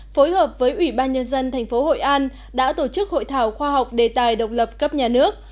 phối hợp với ủy ban nhân dân tp hội an đã tổ chức hội thảo khoa học đề tài độc lập cấp nhà nước